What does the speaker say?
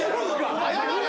謝れ！